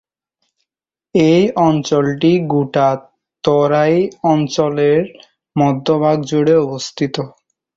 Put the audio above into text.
এই অঞ্চলটি গোটা তরাই অঞ্চলের মধ্যভাগ জুড়ে অবস্থিত।